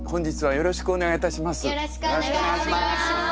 よろしくお願いします。